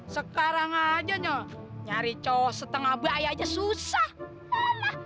sekarang aja nyari cowok setengah bayi aja susah